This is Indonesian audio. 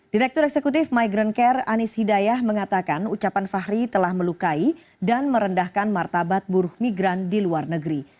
direktur eksekutif migrant care anies hidayah mengatakan ucapan fahri telah melukai dan merendahkan martabat buruh migran di luar negeri